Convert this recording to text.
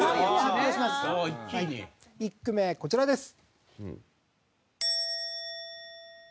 １句目こちらです。